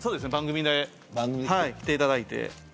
番組で来ていただいて。